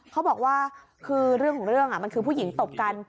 เขาบอกว่าคือเรื่องของเรื่องมันคือผู้หญิงตบกัน